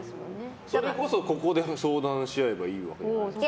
それこそ、ここで相談し合えばいいじゃないですか。